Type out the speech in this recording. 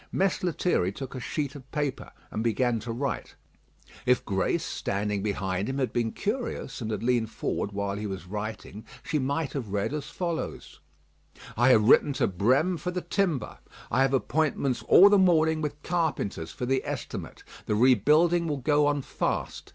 Mess Lethierry took a sheet of paper, and began to write. If Grace, standing behind him, had been curious, and had leaned forward while he was writing, she might have read as follows: "I have written to Brême for the timber. I have appointments all the morning with carpenters for the estimate. The rebuilding will go on fast.